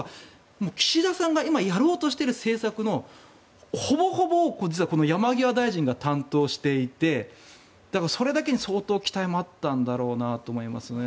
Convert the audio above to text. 岸田さんが今やろうとしている政策のほぼほぼ実はこの山際大臣が担当していてだから、それだけに相当期待もあったんだろうなと思いますね。